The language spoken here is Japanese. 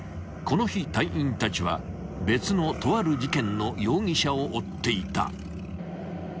［この日隊員たちは別のとある事件の容疑者を追っていた］